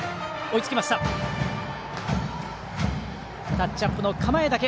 タッチアップの構えだけ。